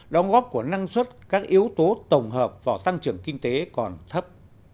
đóng góp của năng suất các yếu tố tổng hợp vào tăng trưởng kinh tế còn thấp